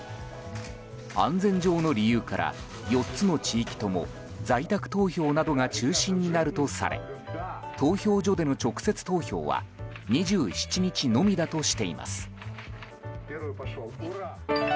安全上の理由から４つの地域とも在宅投票などが中心になるとされ投票所での直接投票は２７日のみだとしています。